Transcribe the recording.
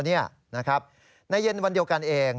ในเย็นวันเดียวกันเอง